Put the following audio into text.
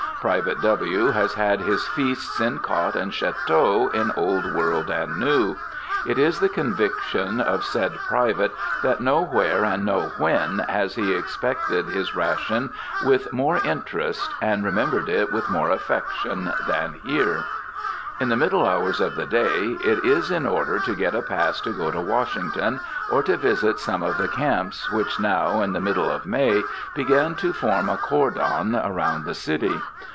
Private W. has had his feasts in cot and chateau in Old World and New. It is the conviction of said private that nowhere and no when has he expected his ration with more interest, and remembered it with more affection, than here. In the middle hours of the day it is in order to get a pass to go to Washington, or to visit some of the camps, which now, in the middle of May, begin to form a cordon around the city.